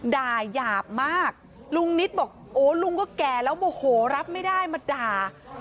หยาบมากลุงนิดบอกโอ้ลุงก็แก่แล้วโมโหรับไม่ได้มาด่า